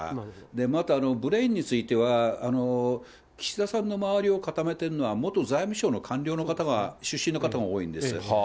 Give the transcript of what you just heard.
またブレーンについては、岸田さんの周りを固めているのは、元財務省の官僚の方が、出身の方が多いんです。